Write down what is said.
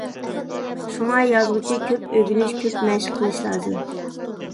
شۇڭا يازغۇچى كۆپ ئۆگىنىش، كۆپ مەشىق قىلىش لازىم.